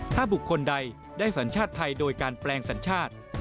ถ้าบุคคลใดได้สัญชาติไทยโดยการแปลงสัญชาติ